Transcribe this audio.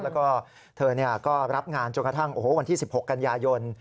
แล้วก็เธอก็รับงานจนกระทั่งวันที่๑๖กันยายน